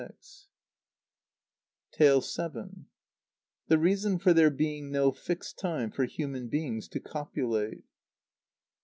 _The Reason for there being no Fixed Time for Human Beings to copulate.